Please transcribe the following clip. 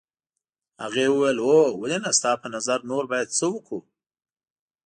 هغې وویل هو ولې نه ستا په نظر نور باید څه وکړو.